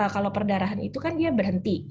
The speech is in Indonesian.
kalau perdarahan itu kan dia berhenti